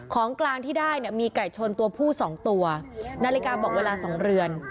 ของกลางที่ได้เนี่ยมีไก่ชนตัวผู้สองตัวนาฬิกาบอกเวลา๒เรือน